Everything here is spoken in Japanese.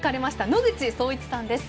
野口聡一さんです。